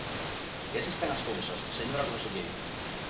E así están as cousas, señora conselleira.